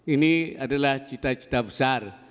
ini adalah cita cita besar